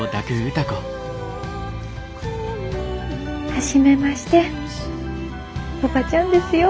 初めましておばちゃんですよ。